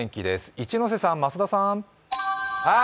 一ノ瀬さん、増田さん。